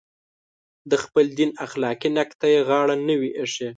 د خپل دین اخلاقي نقد ته یې غاړه نه وي ایښې.